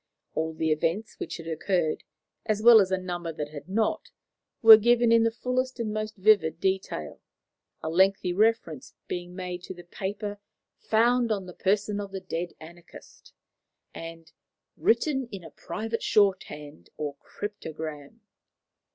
All the events which had occurred, as well as a number that had not, were given in the fullest and most vivid detail, a lengthy reference being made to the paper "found on the person of the dead anarchist," and "written in a private shorthand or cryptogram."